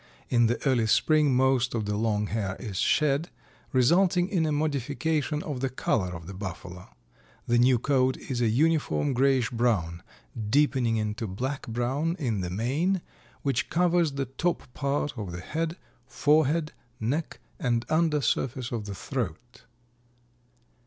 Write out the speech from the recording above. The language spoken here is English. In the early spring most of the long hair is shed, resulting in a modification of the color of the Buffalo. The new coat is a uniform grayish brown, deepening into black brown in the mane, which covers the top part of the head, forehead, neck and under surface of the throat.